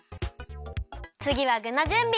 つぎはぐのじゅんび！